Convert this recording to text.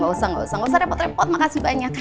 gak usah repot repot makasih banyak